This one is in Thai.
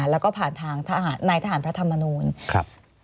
แล้วก็ผ่านทางทหารนายทหารพระธรรมนูล